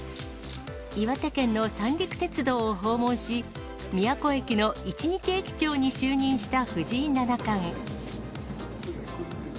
岩手県の三陸鉄道を訪問し、宮古駅の一日駅長に就任した藤井七冠。